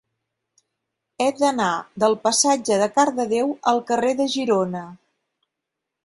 He d'anar del passatge de Cardedeu al carrer de Girona.